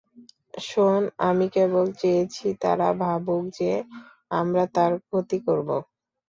শোন, আমি কেবল চেয়েছি তারা ভাবুক যে আমরা তার ক্ষতি করবো।